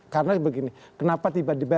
karena begini kenapa tiba tiba